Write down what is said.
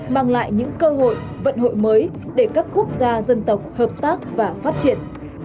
mang lại những cơ hội vận hội mới để các quốc gia dân tộc hợp tác và phát triển